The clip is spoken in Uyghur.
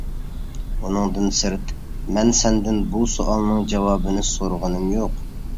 ئۇنىڭدىن سىرت مەن سەندىن بۇ سوئالنىڭ جاۋابىنى سورىغىنىم يوق.